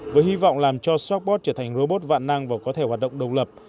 với hy vọng làm cho swagbot trở thành robot vạn năng và có thể hoạt động đồng lập